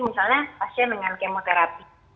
misalnya pasien dengan kemoterapi